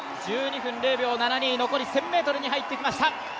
１２分０秒７２、残り１０００ｍに入ってきました。